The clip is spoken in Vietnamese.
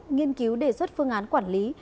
nghiên cứu đề xuất phương án quản lý